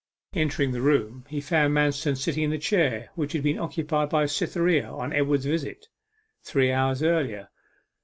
Entering the room, he found Manston sitting in the chair which had been occupied by Cytherea on Edward's visit, three hours earlier.